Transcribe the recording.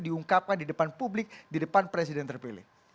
diungkapkan di depan publik di depan presiden terpilih